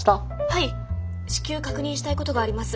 はい至急確認したいことがあります。